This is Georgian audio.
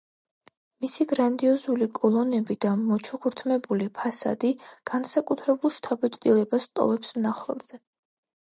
მისი გრანდიოზული კოლონები და მოჩუქურთმებული ფასადი განსაკუთრებულ შთაბეჭდილებას ტოვებს მნახველზე.